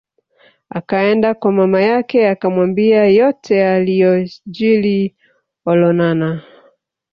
Akaenda kwa mama yake akamwambia yote yaliyojili Olonana